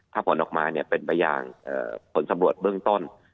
ถ้าผลออกมาเนี่ยเป็นไปอย่างผลสำรวจเบื้องต้น